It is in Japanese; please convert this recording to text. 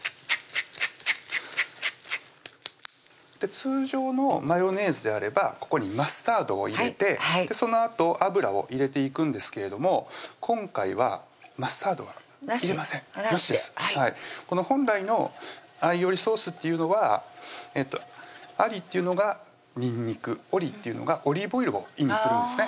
通常のマヨネーズであればここにマスタードを入れてそのあと油を入れていくんですけれども今回はマスタードは入れませんなしでこの本来の「アイオリソース」っていうのは「アリ」っていうのがにんにく「オリ」っていうのがオリーブオイルを意味するんですね